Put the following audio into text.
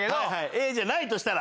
Ａじゃないとしたら？